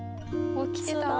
起きてたわ。